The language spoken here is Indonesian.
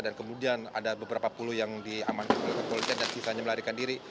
dan kemudian ada beberapa puluh yang diaman oleh kepolisian dan sisanya melarikan diri